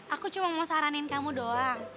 aku cuma mau saranin kamu doang